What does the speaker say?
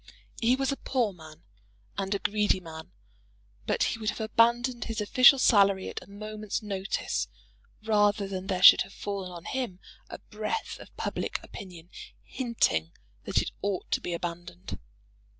He was a poor man, and a greedy man, but he would have abandoned his official salary at a moment's notice, rather than there should have fallen on him a breath of public opinion hinting that it ought to be abandoned.